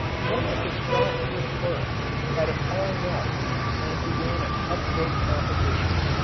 Once the Stassfurt firms had a falling out and began a cutthroat competition.